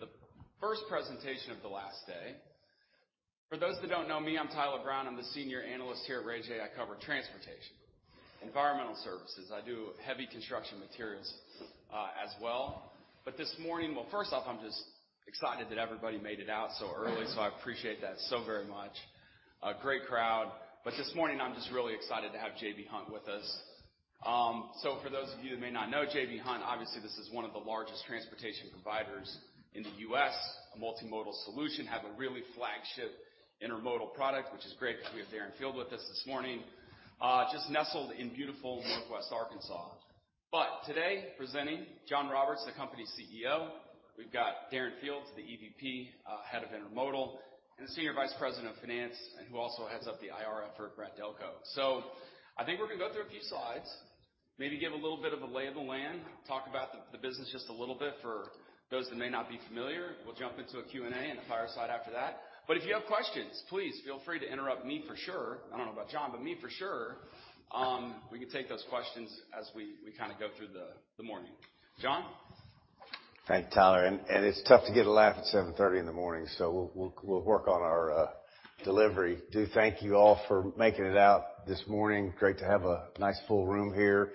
The first presentation of the last day. For those that don't know me, I'm Tyler Brown. I'm the senior analyst here at RayJay. I cover transportation, environmental services. I do heavy construction materials as well. This morning. Well first off, I'm just excited that everybody made it out so early, I appreciate that so very much. A great crowd. This morning, I'm just really excited to have J.B. Hunt with us. For those of you who may not know J.B. Hunt, obviously, this is one of the largest transportation providers in the U.S. A multimodal solution, have a really flagship intermodal product, which is great because we have Darren Field with us this morning, just nestled in beautiful Northwest Arkansas. Today, presenting, John Roberts, the company CEO. We've got Darren Field, the EVP, Head of Intermodal, and the Senior Vice President of Finance, and who also heads up the IR effort, Brad Delco. I think we're gonna go through a few slides, maybe give a little bit of a lay of the land, talk about the business just a little bit for those that may not be familiar. We'll jump into a Q&A and a fireside after that. If you have questions, please feel free to interrupt me for sure. I don't know about John, but me for sure. We can take those questions as we kinda go through the morning. John. Thank you, Tyler. It's tough to get a laugh at 7:30 in the morning, so we'll work on our delivery. Thank you all for making it out this morning. Great to have a nice full room here.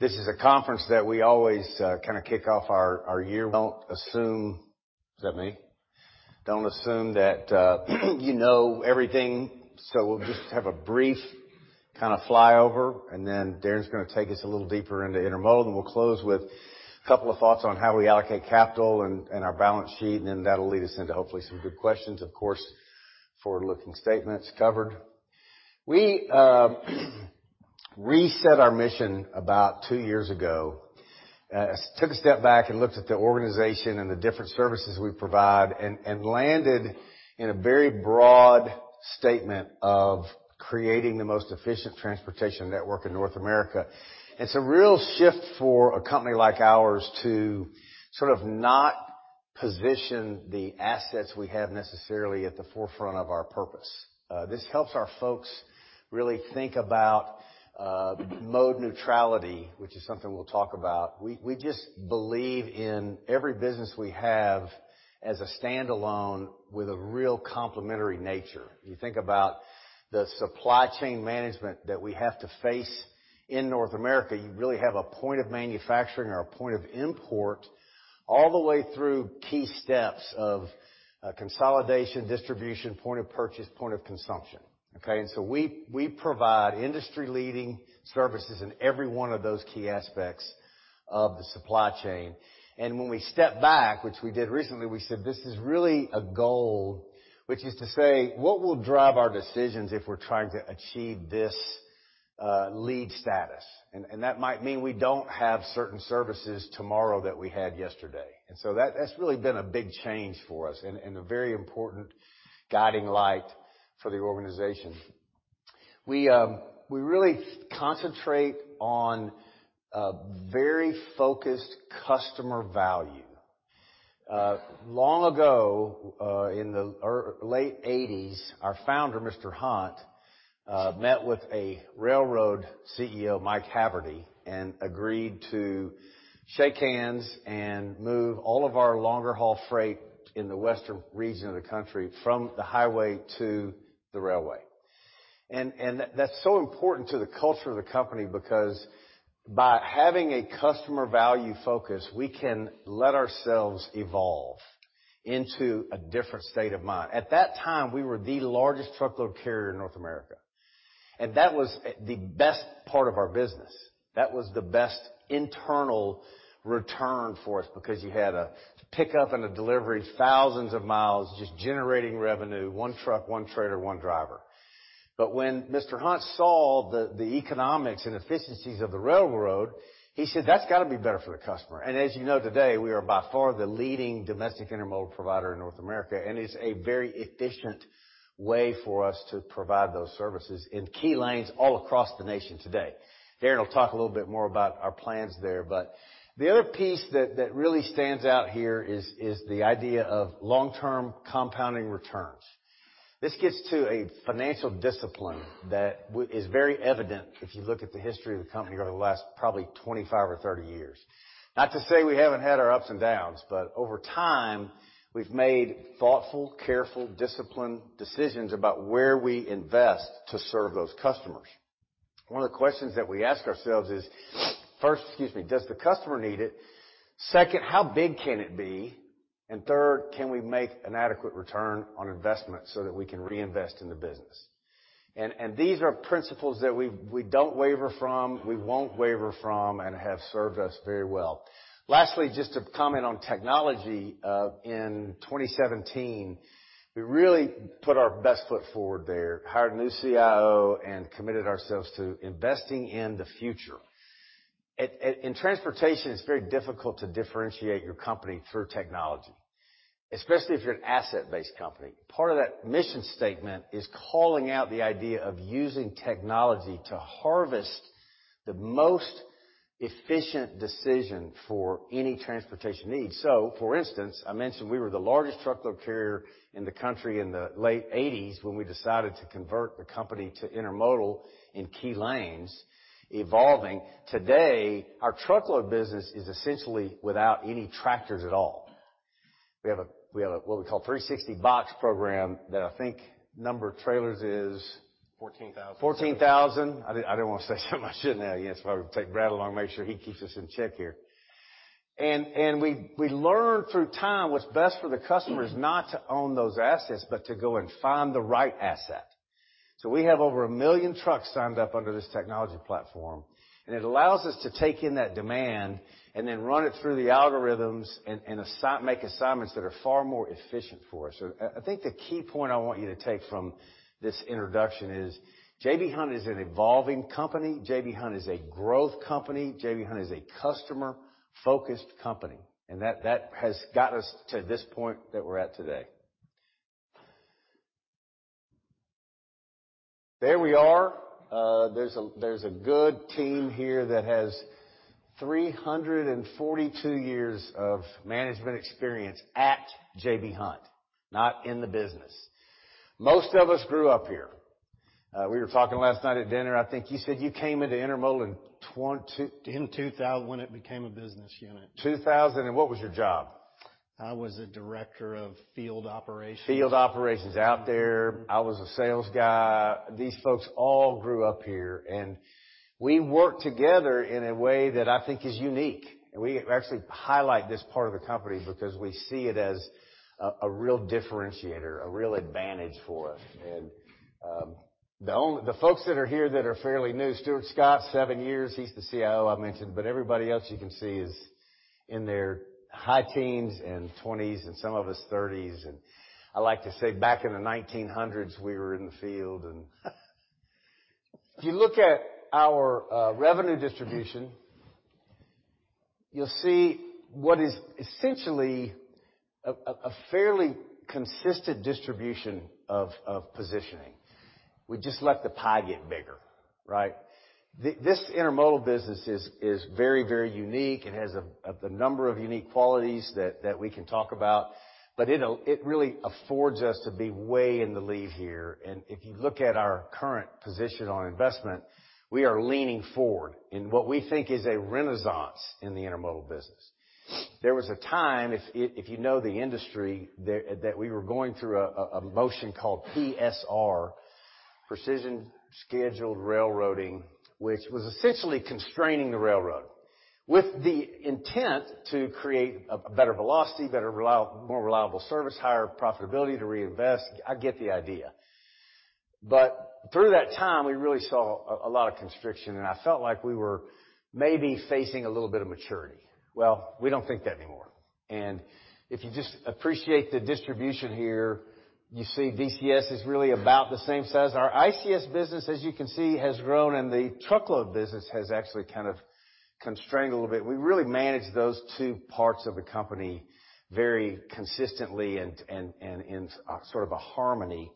This is a conference that we always kinda kick off our year. Don't assume - is that me? Don't assume that you know everything. We'll just have a brief kinda fly over. Then Darren's gonna take us a little deeper into intermodal. We'll close with a couple of thoughts on how we allocate capital and our balance sheet. Then that'll lead us into, hopefully, some good questions. Of course, forward-looking statements covered. We reset our mission about two years ago. Took a step back and looked at the organization and the different services we provide and landed in a very broad statement of creating the most efficient transportation network in North America. It's a real shift for a company like ours to sort of not position the assets we have necessarily at the forefront of our purpose. This helps our folks really think about mode neutrality, which is something we'll talk about. We just believe in every business we have as a standalone with a real complementary nature. You think about the supply chain management that we have to face in North America. You really have a point of manufacturing or a point of import all the way through key steps of consolidation, distribution, point of purchase, point of consumption. Okay? We provide industry-leading services in every one of those key aspects of the supply chain. When we step back, which we did recently, we said, "This is really a goal," which is to say, what will drive our decisions if we're trying to achieve this lead status? That might mean we don't have certain services tomorrow that we had yesterday. That's really been a big change for us and a very important guiding light for the organization. We really concentrate on very focused customer value. Long ago, in the late 80s, our founder, Mr. Hunt met with a railroad CEO, Mike Haverty, and agreed to shake hands and move all of our longer haul freight in the western region of the country from the highway to the railway. That's so important to the culture of the company because by having a customer value focus, we can let ourselves evolve into a different state of mind. At that time, we were the largest truckload carrier in North America, and that was the best part of our business. That was the best internal return for us because you had a pickup and a delivery, thousands of miles, just generating revenue, one truck, one trailer, one driver. When Mr. Hunt saw the economics and efficiencies of the railroad, he said, "That's got to be better for the customer." As you know today, we are by far the leading domestic intermodal provider in North America and it's a very efficient way for us to provide those services in key lanes all across the nation today. Darren will talk a little bit more about our plans there. The other piece that really stands out here is the idea of long-term compounding returns. This gets to a financial discipline that is very evident if you look at the history of the company over the last probably 25 or 30 years. Not to say we haven't had our ups and downs, over time, we've made thoughtful, careful, disciplined decisions about where we invest to serve those customers. One of the questions that we ask ourselves is, first, excuse me, does the customer need it? Second, how big can it be? Third, can we make an adequate return on investment so that we can reinvest in the business? These are principles that we don't waver from, we won't waver from, and have served us very well. Lastly, just to comment on technology. In 2017, we really put our best foot forward there, hired a new CIO and committed ourselves to investing in the future. In transportation, it's very difficult to differentiate your company through technology, especially if you're an asset-based company. Part of that mission statement is calling out the idea of using technology to harvest the most efficient decision for any transportation need. For instance, I mentioned we were the largest truckload carrier in the country in the late 1980s when we decided to convert the company to intermodal in key lanes, evolving. Today, our truckload business is essentially without any tractors at all. We have a - we have a what we call 360box program that I think number of trailers is? $14,000. 14,000. I didn't wanna say so much, shouldn't have. Yes, if I would take Brad along, make sure he keeps us in check here. We learned through time what's best for the customer is not to own those assets, but to go and find the right asset. We have over 1 million trucks signed up under this technology platform, and it allows us to take in that demand and then run it through the algorithms and make assignments that are far more efficient for us. I think the key point I want you to take from this introduction is J.B. Hunt is an evolving company. J.B. Hunt is a growth company. J.B. Hunt is a customer-focused company, and that has got us to this point that we're at today. There we are. There's a, there's a good team here that has 342 years of management experience at J.B. Hunt, not in the business. Most of us grew up here. We were talking last night at dinner. I think you said you came into Intermodal in. When it became a business unit. 2,000, what was your job? I was a Director of Field Operations. Field operations out there. I was a sales guy. These folks all grew up here, we work together in a way that I think is unique. We actually highlight this part of the company because we see it as a real differentiator, a real advantage for us. The folks that are here that are fairly new, Stuart Scott, 7 years. He's the CIO I mentioned, everybody else you can see is in their high teens and 20s and some of us 30s. I like to say back in the 1900s, we were in the field. If you look at our revenue distribution, you'll see what is essentially a fairly consistent distribution of positioning. We just let the pie get bigger, right? This Intermodal business is very unique and has a number of unique qualities that we can talk about. It really affords us to be way in the lead here. If you look at our current position on investment, we are leaning forward in what we think is a renaissance in the Intermodal business. There was a time, if you know the industry, there, that we were going through a motion called PSR, Precision Scheduled Railroading, which was essentially constraining the railroad with the intent to create a better velocity, better more reliable service, higher profitability to reinvest. I get the idea. Through that time, we really saw a lot of constriction, and I felt like we were maybe facing a little bit of maturity. Well, we don't think that anymore. If you just appreciate the distribution here, you see DCS is really about the same size. Our ICS business, as you can see, has grown, and the truckload business has actually kind of constrained a little bit. We really manage those two parts of the company very consistently and in sort of a harmony.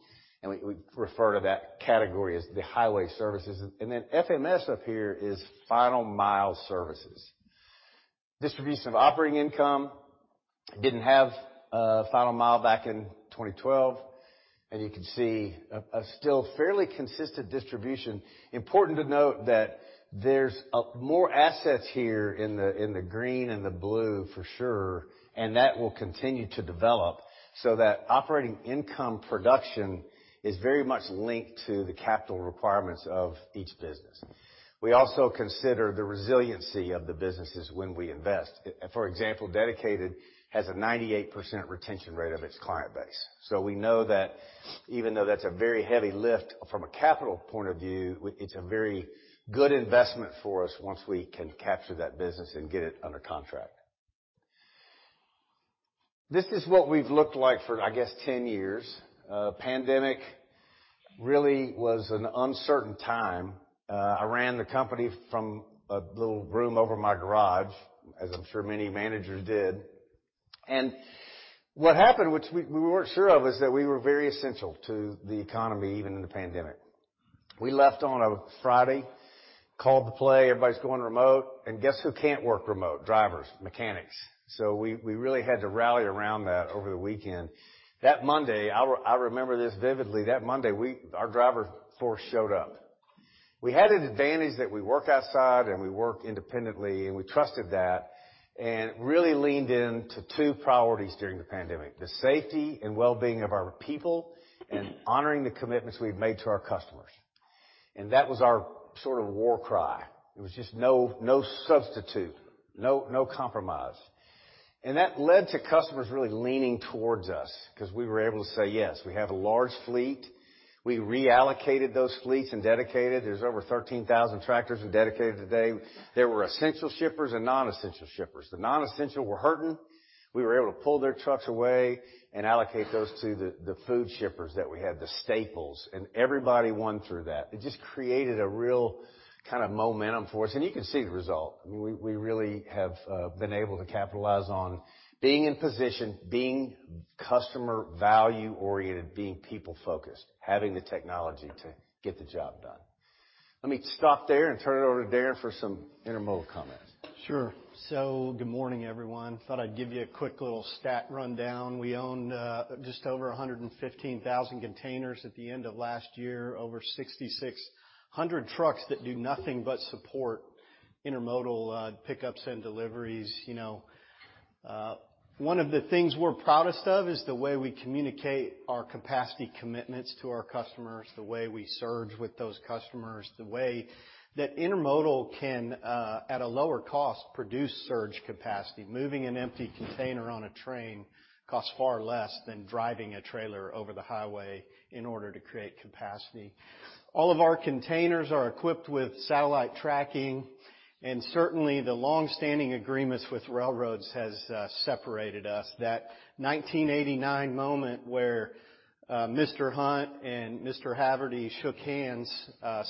We refer to that category as the highway services. FMS up here is final mile services. Distribution of operating income didn't have final mile back in 2012. You can see a still fairly consistent distribution. Important to note that there's more assets here in the, in the green and the blue for sure, and that will continue to develop so that operating income production is very much linked to the capital requirements of each business. We also consider the resiliency of the businesses when we invest. For example, Dedicated has a 98% retention rate of its client base. We know that even though that's a very heavy lift from a capital point of view, it's a very good investment for us once we can capture that business and get it under contract. This is what we've looked like for, I guess, 10 years. Pandemic really was an uncertain time. I ran the company from a little room over my garage, as I'm sure many managers did. What happened, which we weren't sure of, is that we were very essential to the economy, even in the pandemic. We left on a Friday, called the play, everybody's going remote, and guess who can't work remote? Drivers, mechanics. We really had to rally around that over the weekend. That Monday, I remember this vividly. That Monday, we, our driver force showed up. We had an advantage that we work outside, and we work independently, and we trusted that and really leaned into two priorities during the pandemic: the safety and well-being of our people and honoring the commitments we've made to our customers. That was our sort of war cry. It was just no substitute, no compromise. That led to customers really leaning towards us because we were able to say, yes, we have a large fleet. We reallocated those fleets in Dedicated. There's over 13,000 tractors in Dedicated today. There were essential shippers and non-essential shippers. The non-essential were hurting. We were able to pull their trucks away and allocate those to the food shippers that we had, the staples, and everybody won through that. It just created a real kind of momentum for us. You can see the result. We really have been able to capitalize on being in position, being customer value-oriented, being people-focused, having the technology to get the job done. Let me stop there and turn it over to Darren for some Intermodal comments. Good morning, everyone. Thought I'd give you a quick little stat rundown. We own just over 115,000 containers at the end of last year. Over 6,600 trucks that do nothing but support Intermodal pickups and deliveries. You know, one of the things we're proudest of is the way we communicate our capacity commitments to our customers, the way we surge with those customers, the way that Intermodal can at a lower cost, produce surge capacity. Moving an empty container on a train costs far less than driving a trailer over the highway in order to create capacity. All of our containers are equipped with satellite tracking, and certainly, the long-standing agreements with railroads has separated us. That 1989 moment where Mr. Hunt and Mr. Haverty shook hands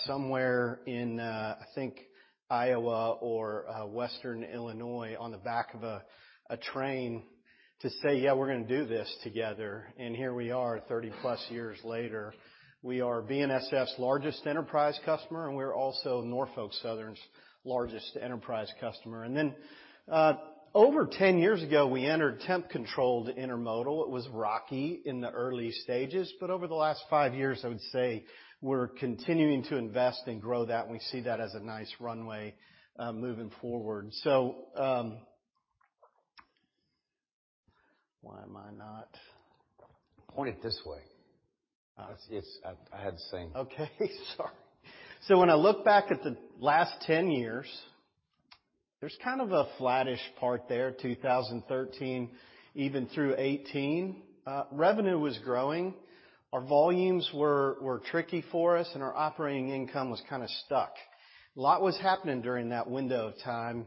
somewhere in I think Iowa or Western Illinois on the back of a train to say, "Yeah, we're gonna do this together." Here we are, 30-plus years later. We are BNSF's largest enterprise customer, and we're also Norfolk Southern's largest enterprise customer. Over 10 years ago, we entered temp-controlled intermodal. It was rocky in the early stages, but over the last 5 years, I would say we're continuing to invest and grow that, and we see that as a nice runway moving forward. Why am I not- Point it this way. Oh. I had the same. When I look back at the last 10 years, there's kind of a flattish part there, 2013 even through 2018. Revenue was growing. Our volumes were tricky for us, and our operating income was kind of stuck. A lot was happening during that window of time,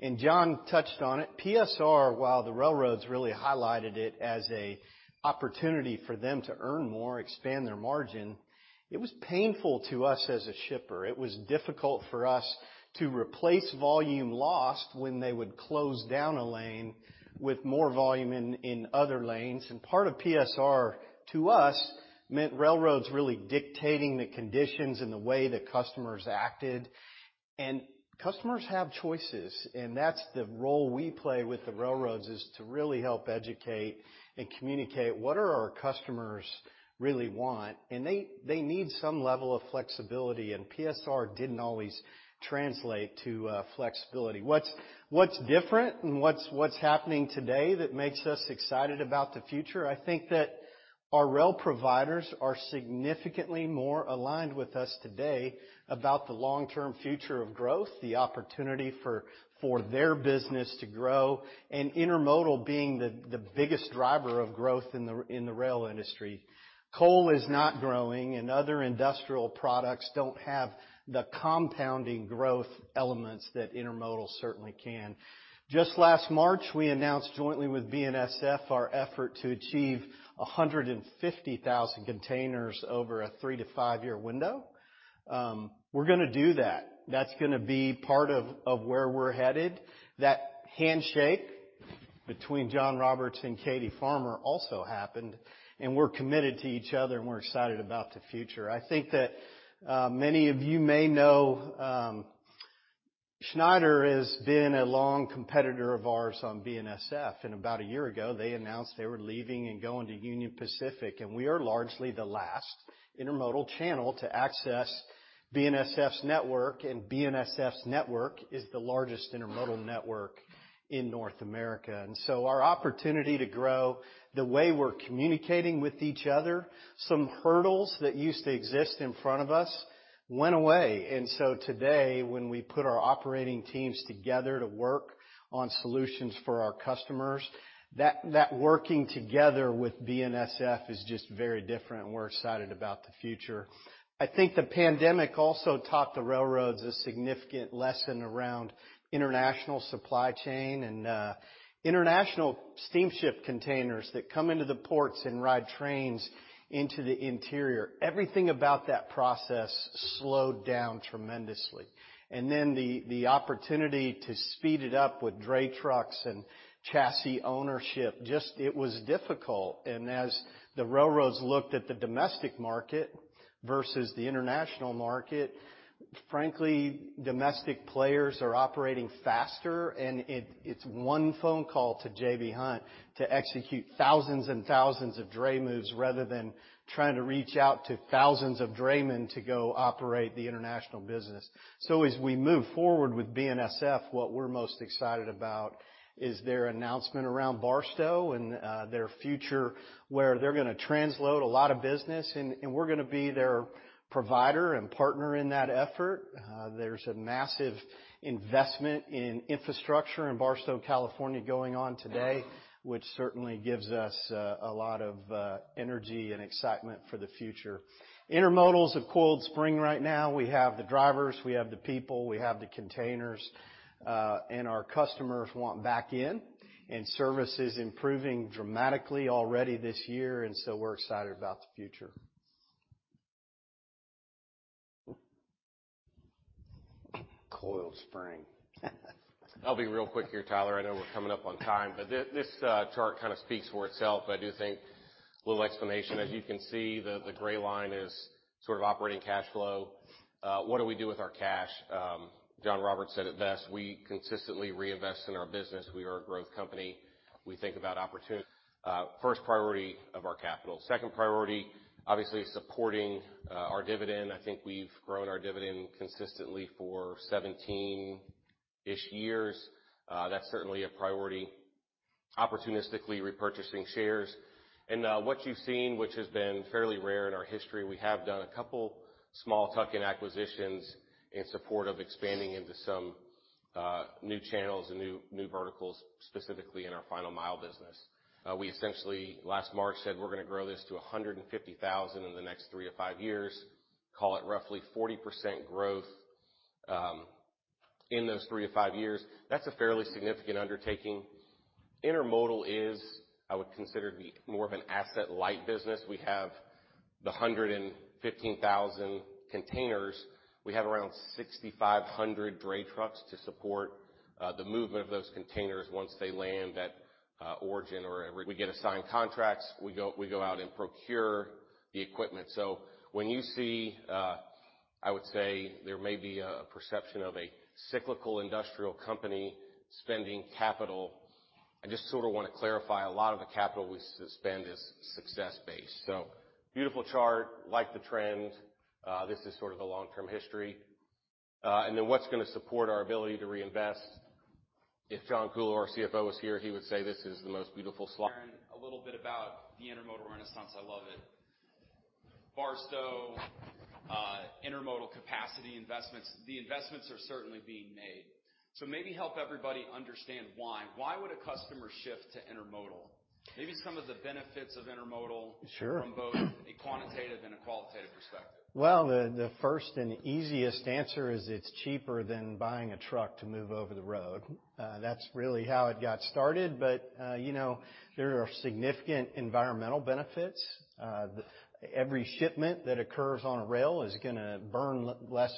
and John touched on it. PSR, while the railroads really highlighted it as an opportunity for them to earn more, expand their margin, it was painful to us as a shipper. It was difficult for us to replace volume lost when they would close down a lane with more volume in other lanes. Part of PSR, to us, meant railroads really dictating the conditions and the way the customers acted. Customers have choices, and that's the role we play with the railroads, is to really help educate and communicate what are our customers really want. They need some level of flexibility, PSR didn't always translate to flexibility. What's different and what's happening today that makes us excited about the future, I think that our rail providers are significantly more aligned with us today about the long-term future of growth, the opportunity for their business to grow, and intermodal being the biggest driver of growth in the rail industry. Coal is not growing, and other industrial products don't have the compounding growth elements that intermodal certainly can. Just last March, we announced jointly with BNSF our effort to achieve 150,000 containers over a 3-to-5-year window. We're gonna do that. That's gonna be part of where we're headed. That handshake between John Roberts and Katie Farmer also happened. We're committed to each other and we're excited about the future. I think that many of you may know, Schneider has been a long competitor of ours on BNSF. About 1 year ago, they announced they were leaving and going to Union Pacific, and we are largely the last intermodal channel to access BNSF's network, and BNSF's network is the largest intermodal network in North America. Our opportunity to grow, the way we're communicating with each other, some hurdles that used to exist in front of us went away. Today, when we put our operating teams together to work on solutions for our customers, that working together with BNSF is just very different, and we're excited about the future. I think the pandemic also taught the railroads a significant lesson around international supply chain, and international steamship containers that come into the ports and ride trains into the interior, everything about that process slowed down tremendously. Then the opportunity to speed it up with dray trucks and chassis ownership, just, it was difficult. As the railroads looked at the domestic market versus the international market, frankly, domestic players are operating faster, and it's one phone call to J.B. Hunt to execute thousands and thousands of dray moves rather than trying to reach out to thousands of draymen to go operate the international business. As we move forward with BNSF, what we're most excited about is their announcement around Barstow and their future, where they're gonna transload a lot of business, and we're gonna be their provider and partner in that effort. There's a massive investment in infrastructure in Barstow, California, going on today, which certainly gives us a lot of energy and excitement for the future. Intermodal's a cold spring right now. We have the drivers, we have the people, we have the containers, and our customers want back in. Service is improving dramatically already this year, and so we're excited about the future. Coiled spring. I'll be real quick here, Tyler. I know we're coming up on time. This chart kind of speaks for itself, but I do think a little explanation. As you can see, the gray line is sort of operating cash flow. What do we do with our cash? John Roberts said it best. We consistently reinvest in our business. We are a growth company. We think about opportunity, first priority of our capital. Second priority, obviously supporting our dividend. I think we've grown our dividend consistently for 17-ish years. That's certainly a priority. Opportunistically repurchasing shares. What you've seen, which has been fairly rare in our history, we have done a couple small tuck-in acquisitions in support of expanding into some new channels and new verticals, specifically in our final mile business. We essentially last March said we're gonna grow this to 150,000 in the next 3-5 years. Call it roughly 40% growth in those 3-5 years. That's a fairly significant undertaking. Intermodal is, I would consider, to be more of an asset light business. We have the 115,000 containers. We have around 6,500 dray trucks to support the movement of those containers once they land at origin or we get assigned contracts, we go out and procure the equipment. When you see, I would say there may be a perception of a cyclical industrial company spending capital. I just sort of want to clarify, a lot of the capital we spend is success based. Beautiful chart, like the trend. This is sort of the long-term history. What's gonna support our ability to reinvest? If John Kuhlow, our CFO, was here, he would say, this is the most beautiful slide. Darren, a little bit about the intermodal renaissance. I love it. Barstow, intermodal capacity investments. The investments are certainly being made. Maybe help everybody understand why. Why would a customer shift to intermodal? Maybe some of the benefits of intermodal from both a quantitative and a qualitative perspective. Well, the first and easiest answer is it's cheaper than buying a truck to move over the road. That's really how it got started. You know, there are significant environmental benefits. Every shipment that occurs on a rail is gonna burn less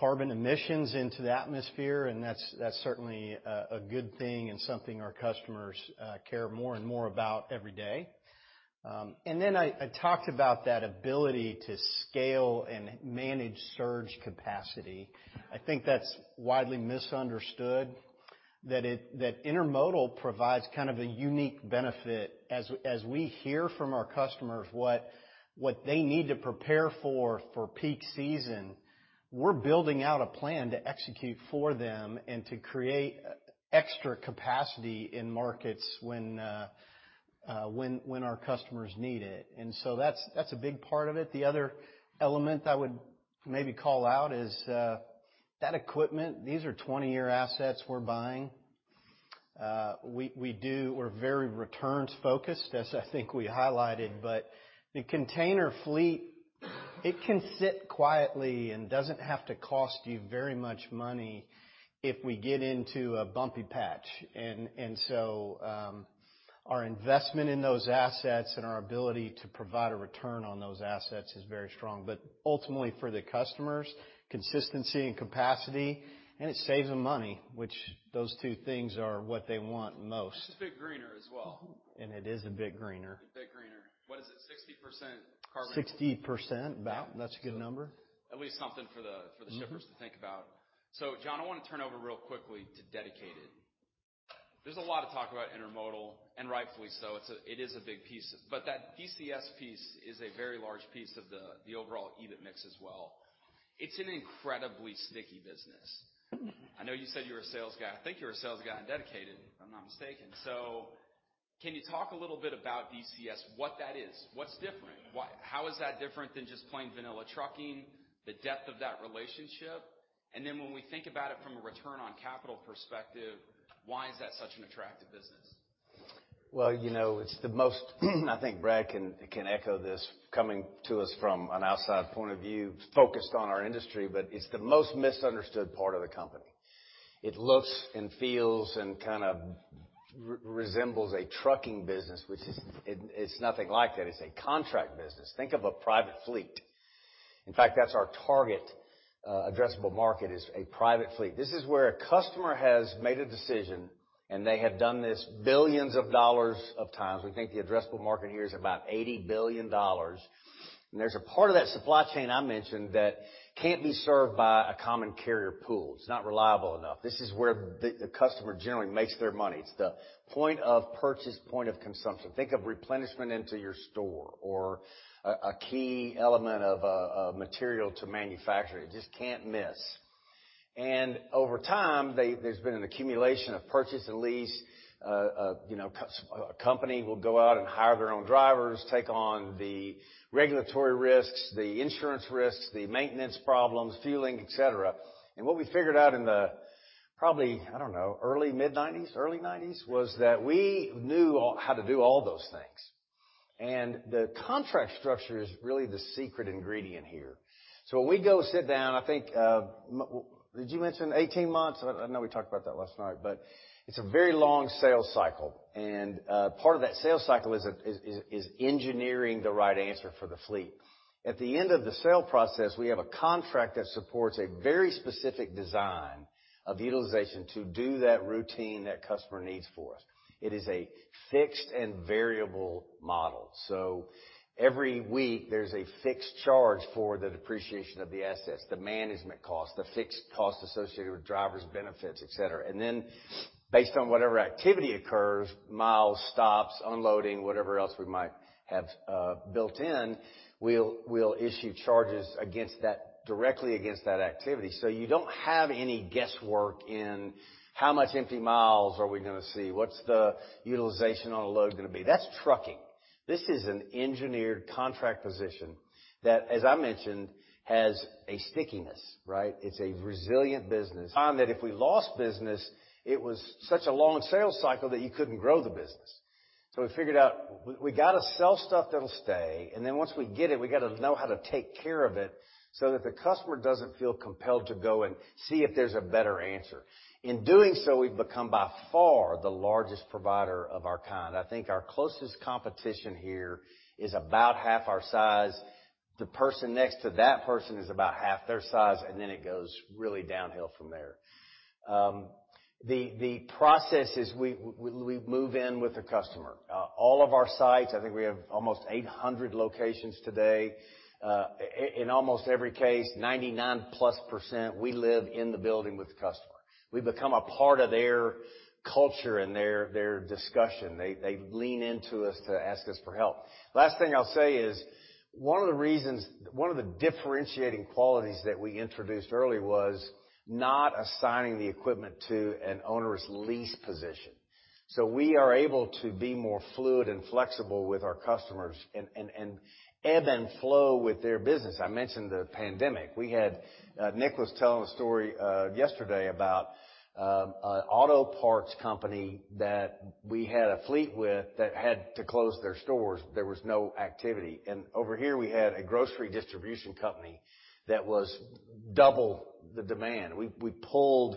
carbon emissions into the atmosphere, and that's certainly a good thing and something our customers care more and more about every day. Then I talked about that ability to scale and manage surge capacity. I think that's widely misunderstood that intermodal provides kind of a unique benefit. As we hear from our customers what they need to prepare for peak season, we're building out a plan to execute for them and to create extra capacity in markets when our customers need it. That's, that's a big part of it. The other element I would maybe call out is that equipment, these are 20-year assets we're buying. We're very returns focused, as I think we highlighted. The container fleet, it can sit quietly and doesn't have to cost you very much money if we get into a bumpy patch. Our investment in those assets and our ability to provide a return on those assets is very strong. Ultimately for the customers, consistency and capacity, and it saves them money, which those two things are what they want most. It's a bit greener as well. It is a bit greener. A bit greener. What is it, 60% carbon? 60%, about. Yeah. That's a good number. At least something for the shippers to think about. John I wanna turn over real quickly to Dedicated. There's a lot of talk about Intermodal, and rightfully so, it is a big piece. That DCS piece is a very large piece of the overall EBIT mix as well. It's an incredibly sticky business. I know you said you're a sales guy. I think you're a sales guy in Dedicated, if I'm not mistaken. Can you talk a little bit about DCS, what that is? What's different? How is that different than just plain vanilla trucking, the depth of that relationship? Then when we think about it from a Return on Capital perspective, why is that such an attractive business? I think Brad can echo this, coming to us from an outside point of view focused on our industry, but it's the most misunderstood part of the company. It looks and feels and kind of resembles a trucking business, which is - it's nothing like that. It's a contract business. Think of a private fleet. In fact that's our target addressable market, is a private fleet. This is where a customer has made a decision, and they have done this $billions of times. We think the addressable market here is about $80 billion. There's a part of that supply chain I mentioned that can't be served by a common carrier pool. It's not reliable enough. This is where the customer generally makes their money. It's the point of purchase, point of consumption. Think of replenishment into your store or a key element of a material to manufacture. It just can't miss. Over time, there's been an accumulation of purchase and lease. you know, a company will go out and hire their own drivers, take on the regulatory risks, the insurance risks, the maintenance problems, fueling, et cetera. What we figured out in the, probably, I don't know, early mid-90s, early 90s, was that we knew how to do all those things. The contract structure is really the secret ingredient here. When we go sit down, I think, did you mention 18 months? I know we talked about that last night, but it's a very long sales cycle. Part of that sales cycle is engineering the right answer for the fleet. At the end of the sale process, we have a contract that supports a very specific design of utilization to do that routine that customer needs for us. It is a fixed and variable model. Every week there's a fixed charge for the depreciation of the assets, the management costs, the fixed costs associated with drivers' benefits, et cetera. Based on whatever activity occurs, miles, stops, unloading, whatever else we might have built in. We'll issue charges directly against that activity. You don't have any guesswork in how much empty miles are we gonna see? What's the utilization on a load gonna be? That's trucking. This is an engineered contract position that, as I mentioned, has a stickiness, right? It's a resilient business. Found that if we lost business, it was such a long sales cycle that you couldn't grow the business. We figured out, we gotta sell stuff that'll stay, and then once we get it, we gotta know how to take care of it so that the customer doesn't feel compelled to go and see if there's a better answer. In doing so, we've become, by far the largest provider of our kind. I think our closest competition here is about half our size. The person next to that person is about half their size, and then it goes really downhill from there. The process is we move in with the customer. All of our sites, I think we have almost 800 locations today. In almost every case, 99+% we live in the building with the customer. We become a part of their culture and their discussion. They lean into us to ask us for help. Last thing I'll say is, one of the differentiating qualities that we introduced early was not assigning the equipment to an onerous lease position. We are able to be more fluid and flexible with our customers and ebb and flow with their business. I mentioned the pandemic. We had Nick was telling a story yesterday about an auto parts company that we had a fleet with that had to close their stores. There was no activity. Over here, we had a grocery distribution company that was double the demand. We pulled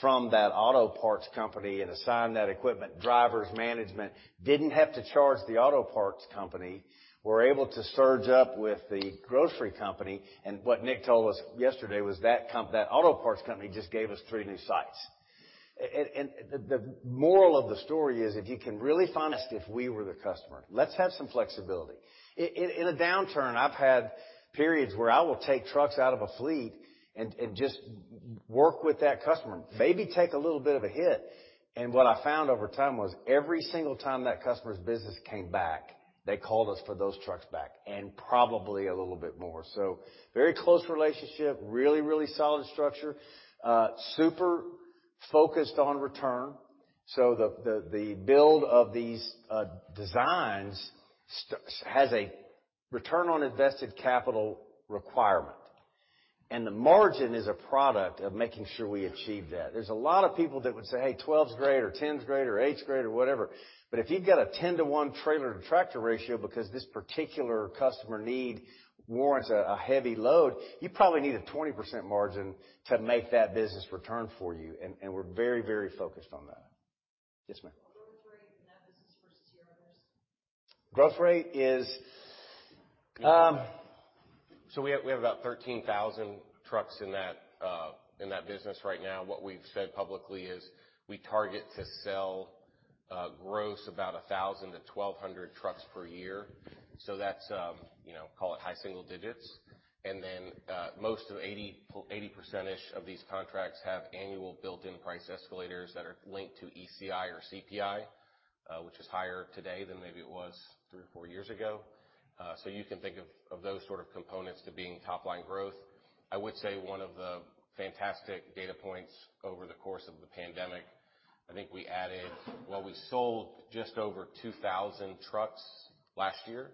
from that auto parts company and assigned that equipment. Drivers, management, didn't have to charge the auto parts company. We're able to surge up with the grocery company. What Nick told us yesterday was that auto parts company just gave us three new sites. The moral of the story is if you can really find us if we were the customer. Let's have some flexibility. In a downturn, I've had periods where I will take trucks out of a fleet and just work with that customer, maybe take a little bit of a hit. What I found over time was every single time that customer's business came back, they called us for those trucks back, and probably a little bit more. Very close relationship, really solid structure. Super focused on return. The build of these designs has a Return on Invested Capital requirement. The margin is a product of making sure we achieve that. There's a lot of people that would say, "Hey, 12's great or 10's great or 8's great or whatever." If you've got a 10-to-1 trailer-to-tractor ratio because this particular customer need warrants a heavy load, you probably need a 20% margin to make that business return for you. We're very, very focused on that. Yes, ma'am. What growth rate in that business versus your others? Growth rate is. We have about 13,000 trucks in that business right now. What we've said publicly is we target to sell gross about 1,000-1,200 trucks per year. That's, you know, call it high single digits. Then most of 80% of these contracts have annual built-in price escalators that are linked to ECI or CPI, which is higher today than maybe it was three or four years ago. You can think of those sort of components to being top-line growth. I would say one of the fantastic data points over the course of the pandemic, I think we added. Well, we sold just over 2,000 trucks last year.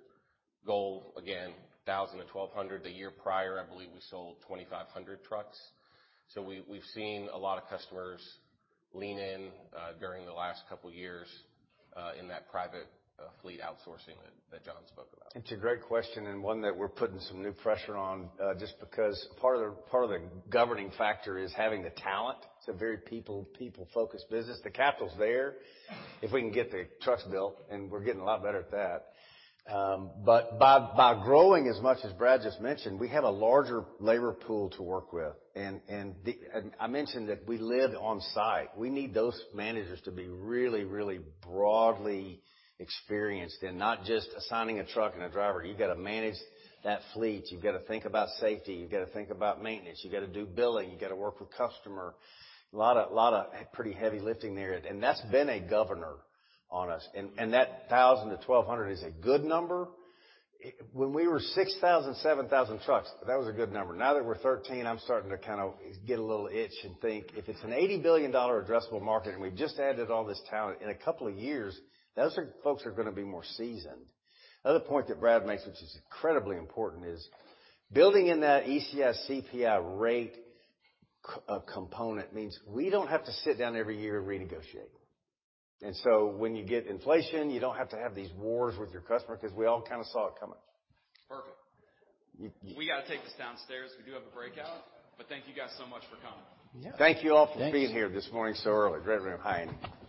Goal, again, 1,000-1,200. The year prior, I believe we sold 2,500 trucks. We've seen a lot of customers lean in, during the last couple years, in that private fleet outsourcing that John spoke about. It's a great question and one that we're putting some new pressure on, just because part of the governing factor is having the talent. It's a very people-focused business. The capital's there, if we can get the trucks built, and we're getting a lot better at that. By growing as much as Brad just mentioned, we have a larger labor pool to work with. I mentioned that we live on-site. We need those managers to be really, really broadly experienced and not just assigning a truck and a driver. You got to manage that fleet. You've got to think about safety. You've got to think about maintenance. You got to do billing. You got to work with customer. A lot of pretty heavy lifting there. That's been a governor on us. That 1,000-1,200 is a good number. When we were 6,000, 7,000 trucks, that was a good number. Now that we're 13, I'm starting to kind of get a little itch and think if it's an $80 billion addressable market and we've just added all this talent, in a couple of years, those folks are gonna be more seasoned. The other point that Brad makes, which is incredibly important, is building in that ECI, CPI rate component means we don't have to sit down every year and renegotiate. When you get inflation, you don't have to have these wars with your customer because we all kind of saw it coming. Perfect. We got to take this downstairs. We do have a breakout. Thank you guys so much for coming. Thank you all for being here this morning so early. Thanks. Great room.